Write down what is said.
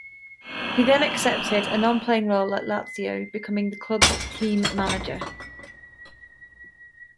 He then accepted a non-playing role at Lazio, becoming the club's team manager.